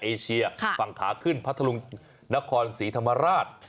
เอเชียฝั่งขาขึ้นพัทธลุงนครศรีธรรมราช